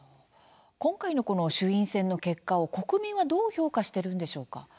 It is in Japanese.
今回のこの衆院選の結果を国民はどう評価しているんでしょうか。